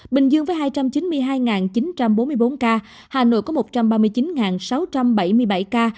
bình dương với hai trăm chín mươi hai chín trăm bốn mươi bốn ca hà nội có một trăm ba mươi chín sáu trăm bảy mươi bảy ca